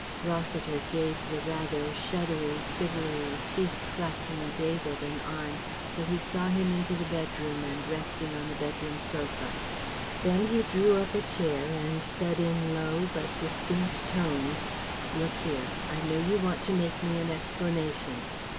Rossiter gave the rather shuddery, shivery, teeth clacking David an arm till he saw him into the bedroom and resting on the bedroom sofa. Then he drew up a chair and said in low but distinct tones: "Look here. I know you want to make me an explanation.